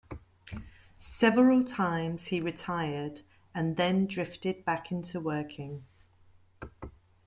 Several times he retired and then drifted back into working.